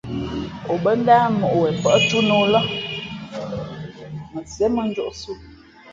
O bάndáh mǒʼ wen pάʼ túná ō lά mα Sié mᾱ njōʼsī o.